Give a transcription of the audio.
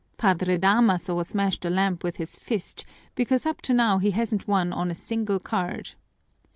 Padre Damaso smashed a lamp with his fist because up to now he hasn't won on a single card.